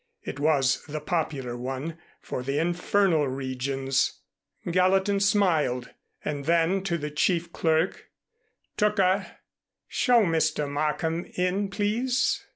It was the popular one for the infernal regions. Gallatin smiled. And then to the chief clerk, "Tooker, show Mr. Markham in, please."